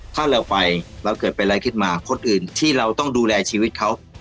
ถ้าเราไปเราเกิดเป็นอะไรขึ้นมาคนอื่นที่เราต้องดูแลชีวิตเขา